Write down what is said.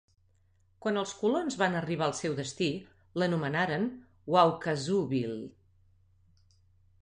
Quan els colons van arribar al seu destí, l'anomenaren Waukazooville.